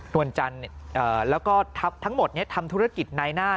นวลจันทร์แล้วก็ทั้งหมดทำธุรกิจไนน่า